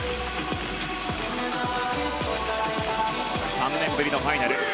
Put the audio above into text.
３年ぶりのファイナル。